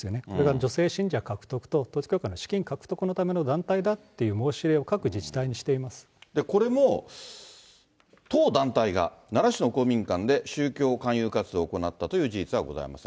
女性信者獲得と、統一教会の資金獲得のための団体だっていう申し入れを各自治体にこれも、当団体が奈良市の公民館で宗教勧誘活動を行ったという事実はございません。